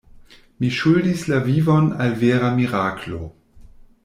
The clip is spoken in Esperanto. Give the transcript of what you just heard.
Mi ŝuldis la vivon al vera miraklo.